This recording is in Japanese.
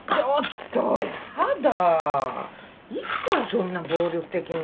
いつからそんな暴力的になったの？